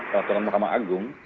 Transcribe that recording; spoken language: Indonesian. ratu ratuan mahkamah agung